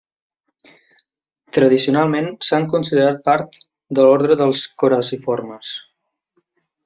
Tradicionalment s'han considerat part de l'ordre dels coraciformes.